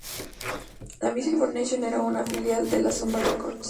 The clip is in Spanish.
La Music for Nations era una filial de la Zomba Records.